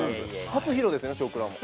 初披露ですね「少クラ」も。